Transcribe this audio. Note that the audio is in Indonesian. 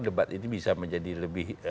debat ini bisa menjadi lebih